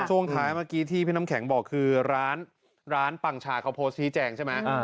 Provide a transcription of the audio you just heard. ช่วงท้ายเมื่อกี้ที่พี่น้ำแข็งบอกคือร้านปังชาเขาโพสต์ชี้แจงใช่ไหม